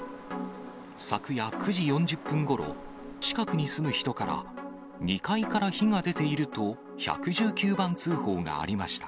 昨夜９時４０分ごろ、近くに住む人から、２階から火が出ていると、１１９番通報がありました。